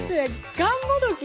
がんもどき